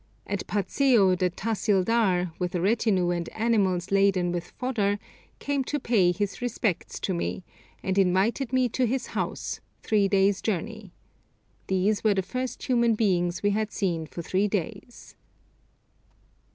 At Patseo the tahsildar, with a retinue and animals laden with fodder, came to pay his respects to me, and invited me to his house, three days' journey. These were the first human beings we had seen for three days.